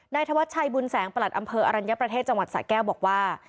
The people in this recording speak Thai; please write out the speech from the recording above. ธวัชชัยบุญแสงประหลัดอำเภออรัญญประเทศจังหวัดสะแก้วบอกว่า